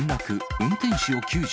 運転手を救助。